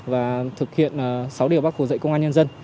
và thực hiện sáu điều bác hồ dạy công an nhân dân